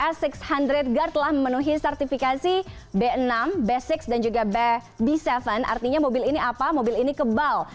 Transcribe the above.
s enam ratus guard telah memenuhi sertifikasi b enam basic dan juga b tujuh artinya mobil ini apa mobil ini kebal